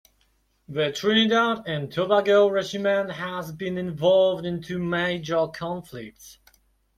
The Trinidad and Tobago Regiment has been involved in two major conflicts.